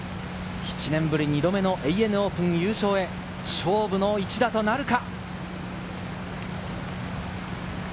７年ぶり２度目のＡＮＡオープン優勝へ、勝負の一打となるか。